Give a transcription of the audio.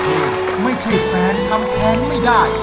จบไว้แล้วกับเธอไม่ใช่แฟนทำแทนไม่ได้